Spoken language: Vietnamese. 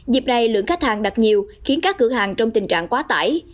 dịp này lượng khách hàng đặt nhiều khiến các cửa hàng trong tình trạng quá tải